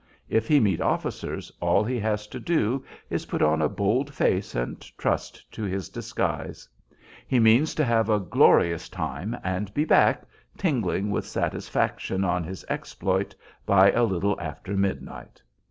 If he meet officers, all he has to do is put on a bold face and trust to his disguise. He means to have a glorious time and be back, tingling with satisfaction on his exploit, by a little after midnight.